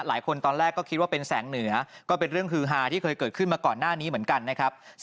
ตอนแรกก็คิดว่าเป็นแสงเหนือก็เป็นเรื่องฮือฮาที่เคยเกิดขึ้นมาก่อนหน้านี้เหมือนกันนะครับ